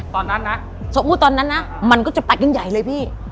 ตอนนั้นนะสมมุติตอนนั้นนะมันก็จะตัดกันใหญ่เลยพี่